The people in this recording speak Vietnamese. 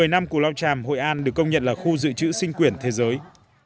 một mươi năm của lao tràm hội an được công nhận là khu dự trữ sinh quyển thế giới